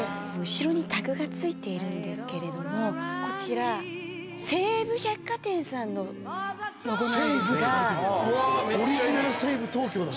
後ろにタグが付いているんですけれどもこちら西武百貨店さんのロゴなんです。